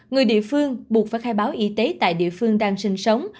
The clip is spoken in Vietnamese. người địa phương buộc phải khai báo y tế tại địa phương đang sinh sống